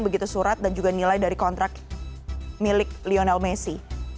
begitu surat dan juga nilai dari kontrak milik lionel messi